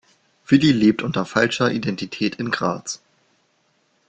Willi lebt unter falscher Identität in Graz.